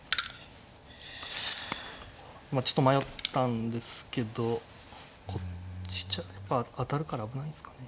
まあちょっと迷ったんですけどこっちじゃまあ当たるから危ないんですかね。